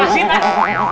apa sih pak